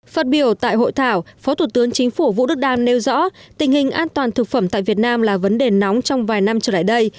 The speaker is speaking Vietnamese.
phát biểu tại hội thảo phó thủ tướng chính phủ vũ đức đam nêu rõ tình hình an toàn thực phẩm tại việt nam là vấn đề nóng trong vài năm trở lại đây